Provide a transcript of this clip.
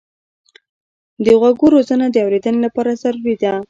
د غوږو روزنه د اورېدنې لپاره ضروري ده.